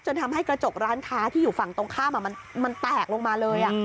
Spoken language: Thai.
ทำให้กระจกร้านค้าที่อยู่ฝั่งตรงข้ามมันแตกลงมาเลย